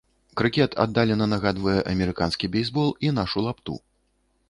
Крыкет аддалена нагадвае амерыканскі бейсбол і нашу лапту.